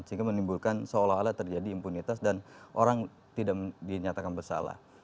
sehingga menimbulkan seolah olah terjadi impunitas dan orang tidak dinyatakan bersalah